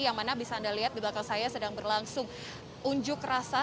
yang mana bisa anda lihat di belakang saya sedang berlangsung unjuk rasa